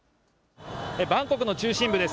バンコクの中心部です。